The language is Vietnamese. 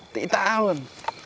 tỵ ta luôn